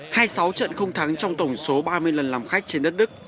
hai mươi sáu trận không thắng trong tổng số ba mươi lần làm khách trên đất đức